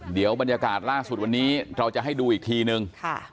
เดี๋ยวบรรยากาศล่าสุดวันนี้เราจะให้ดูอีกทีนึง